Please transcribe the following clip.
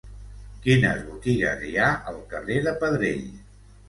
Quines botigues hi ha al carrer de Pedrell?